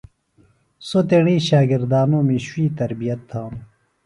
سوۡ تیݨی شاگردانومی شوئی تربیت تھانوۡ۔